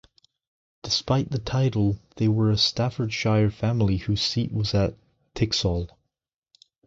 Despite the title they were a Staffordshire family whose seat was at Tixall.